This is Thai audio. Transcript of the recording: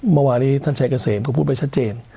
เมื่อวานี้ท่านชัยเกษมก็พูดไว้ชัดเจน